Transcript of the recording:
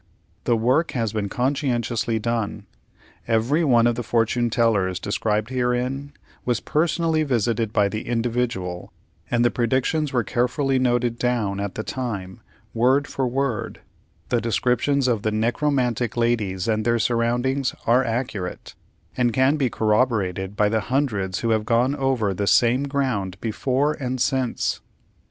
The work has been conscientiously done. Every one of the fortune tellers described herein was personally visited by the "Individual," and the predictions were carefully noted down at the time, word for word; the descriptions of the necromantic ladies and their surroundings are accurate, and can be corroborated by the hundreds who have gone over the same ground before and since.